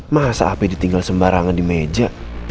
masa ap ditinggal sembarangan di meja